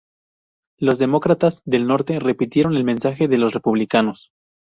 Los demócratas del norte repitieron el mensaje de los republicanos.